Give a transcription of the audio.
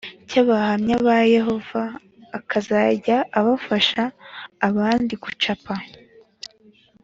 cy Abahamya ba Yehova akazajya afasha abandi gucapa